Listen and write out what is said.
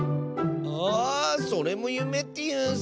あそれもゆめっていうんスね！